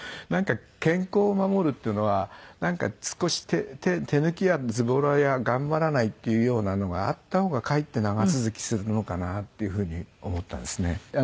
なんか健康を守るっていうのは少し手抜きやズボラや頑張らないっていうようなのがあった方がかえって長続きするのかなっていうふうに思ったんですね。